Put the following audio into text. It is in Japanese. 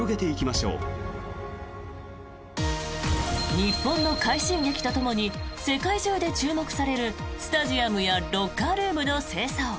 日本の快進撃とともに世界中で注目されるスタジアムやロッカールームの清掃。